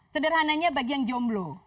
sederhananya bagi yang jomblo